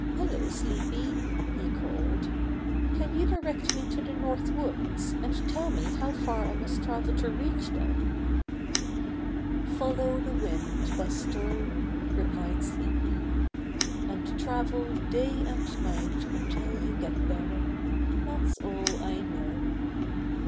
^^Hello, Sleepy," he called, "can you direct me to the North Woods, and tell me how far I must travel to reach them?" 128 Buster the Bear ^Tollow the wind, Buster," replied Sleepy, "and travel day and night until you get there. That's all I know."